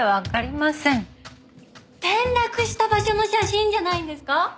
転落した場所の写真じゃないんですか？